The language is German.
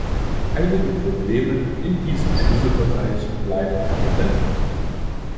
Einige Probleme in diesem Schlüsselbereich bleiben aber dennoch.